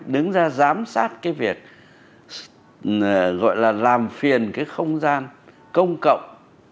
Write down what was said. đứng ra giám sát cái việc gọi là làm phiền cái không gian công cộng